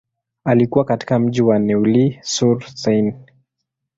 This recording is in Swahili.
Alikua katika mji wa Neuilly-sur-Seine.